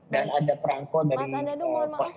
dan ada perangkul dari post indonesia